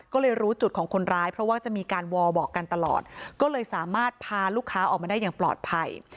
ก็เลยรู้จุดของคนร้ายเพราะว่าจะมีการวอลบอกกันตลอดก็เลยสามารถพาลูกค้าออกมาได้อย่างปลอดภัย